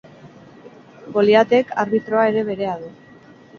Goliatek arbitroa ere berea du.